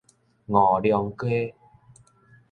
臥龍街